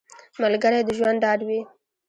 ملګری د ژوند ډاډ وي